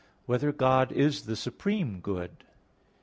2] Whether God Is the Supreme Good?